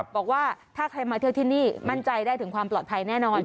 บอกว่าถ้าใครมาเที่ยวที่นี่มั่นใจได้ถึงความปลอดภัยแน่นอน